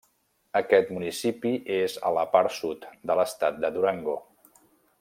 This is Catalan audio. Aquest municipi és a la part sud de l'estat de Durango.